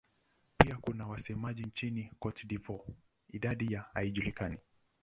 Pia kuna wasemaji nchini Cote d'Ivoire; idadi yao haijulikani.